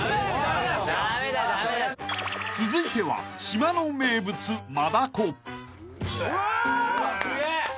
［続いては島の名物］うわ！